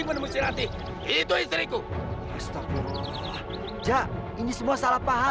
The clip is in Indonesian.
hari ini saya tak mengaku kalah